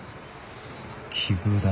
奇遇だな。